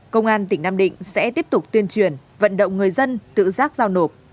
công an tỉnh nam định sẽ tiếp tục tuyên truyền vận động người dân tự giác giao nộp